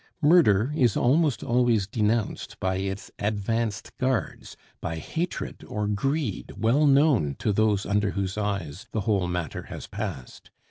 Murder is almost always denounced by its advanced guards, by hatred or greed well known to those under whose eyes the whole matter has passed.